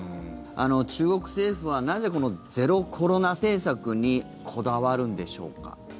中国政府はなぜゼロコロナ政策にこだわるんでしょうか。